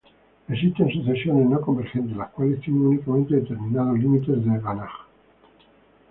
Existen sucesiones no convergentes las cuales tienen únicamente determinados límites de Banach.